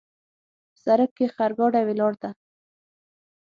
په سړک کې خرګاډۍ ولاړ ده